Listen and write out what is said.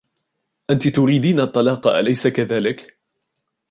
أنتِ تريدين الطلاق, أليس كذلك؟